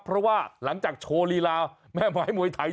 เพราะว่าหลังจากโชว์ลีลาแม่ไม้มวยไทย